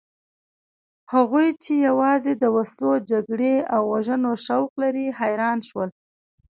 هغوی چې یوازې د وسلو، جګړو او وژنو شوق لري حیران شول.